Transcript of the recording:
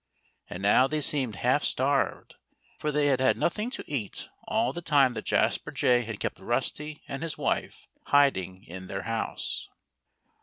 And now they seemed half starved, for they had had nothing to eat all the time that Jasper Jay had kept Rusty and his wife hiding in their house.